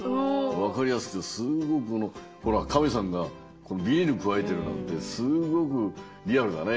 わかりやすくてすごくこのほらかめさんがビニールくわえてるなんてすごくリアルだね。